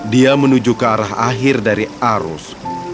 dia menuju ke arah akhir dari arus